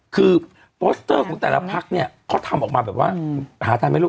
คือโปสเตอร์ของแต่ละพักเนี่ยเขาทำออกมาแบบว่าหาทานไม่รู้